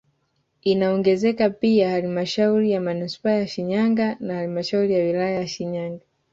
Inaongezeka pia halmashauri ya manispaa ya Shinyanga na halmasdhauri ya wilaya ya Shinyanga